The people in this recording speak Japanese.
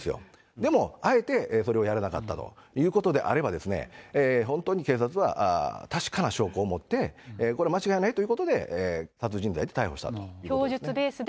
でも、あえてそれをやらなかったということであれば、本当に警察は確かな証拠を持って、これ、間違いないということで、殺人罪で逮捕したということですね。